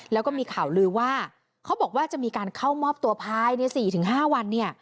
แล้วก็มีข่าวลือว่าเขาบอกว่าจะมีการเข้ามอบตัวภายใน๔๕วันเนี่ย